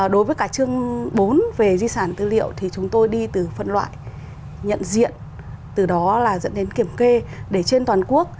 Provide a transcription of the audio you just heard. đối với cả chương bốn về di sản tư liệu thì chúng tôi đi từ phân loại nhận diện từ đó là dẫn đến kiểm kê để trên toàn quốc